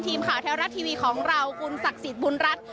ทีมข่าวแถวรัตทีวีของเราภุมศักดิ์สิทธิ์ภุมศักดิ์รัฐ